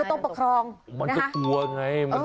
เอออ่ะมอบส่งมอบ